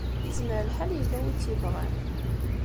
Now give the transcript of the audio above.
Izmer lḥal yella win i tt-yebɣan.